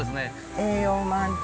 栄養満点。